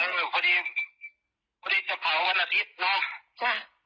พอดีพอดีจะเผาวันอาทิตย์เนาะ